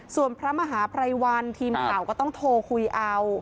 ส่วนพระมหาภัยวันทีมข่าวก็ต้องโทรคุยเอา